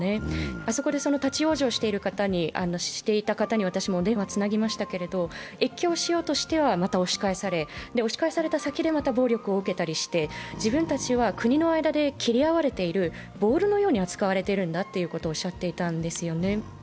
あそこで立往生していた方に私もお電話つなぎましたけど、越境しようとしては、また押し返され、押し返された先でまた暴力を受けたりして、自分たちは国の間で切り合われているボールのように扱われているんだとおっしゃっていたんですよね。